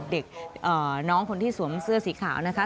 เด็กน้องคนที่สวมเสื้อสีขาวนะคะ